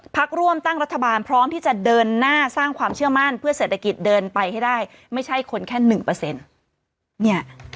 พักร่วมตั้งรัฐบาลพร้อมที่จะเดินหน้าสร้างความเชื่อมั่นเพื่อเศรษฐกิจเดินไปให้ได้ไม่ใช่คนแค่หนึ่งเปอร์เซ็นต์เนี่ย